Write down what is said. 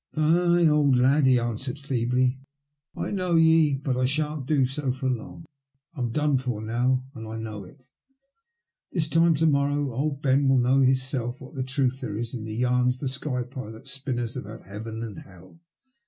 "Ay, old lad," he answered feebly, "I know ye. i MT CHANGE IN LIFE. 17 But I shan't do bo for long. I'm done for now, and I know it. This time to morrow old Ben will know for hisBelf what truth there is in the yarns the sky pilots spin us about heaven and hell."